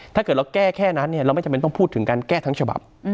ถ้าเกิดเราแก้แค่นั้นเราไม่จำเป็นต้องพูดถึงการแก้ทั้งฉบับ